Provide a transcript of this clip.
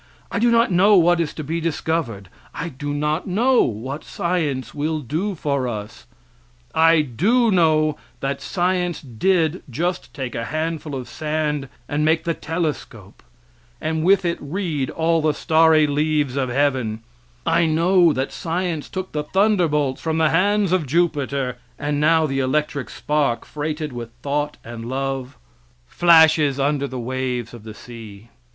I do not know what is to be discovered; I do not know what science will do for us. I do know that science did just take a handful of sand and make the telescope, and with it read all the starry leaves of heaven; I know that science took the thunderbolts from the hands of Jupiter, and now the electric spark, freighted with thought and love, flashes under waves of the sea.